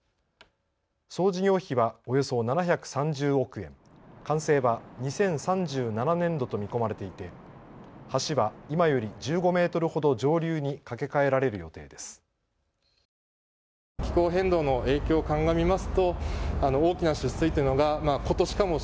総事業費はおよそ７３０億円、完成は２０３７年度と見込まれていて橋は今より１５メートルほど上流に架け替えられる予定です。